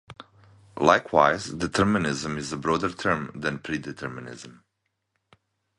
Likewise, determinism is a broader term than predeterminism.